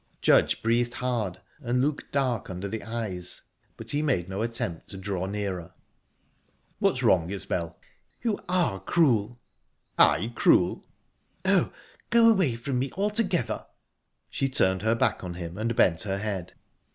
Judge breathed hard, and looked dark under the eyes, but he made no attempt to draw nearer. "What's wrong, Isbel?" "You are cruel!..." "I cruel...?" "Oh, go away from me altogether!..." She turned her back on him, and bent her head.